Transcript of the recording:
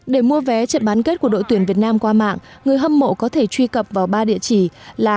để mua vé trận bán kết của đội tuyển việt nam qua mạng người hâm mộ có thể truy cập vào ba địa chỉ là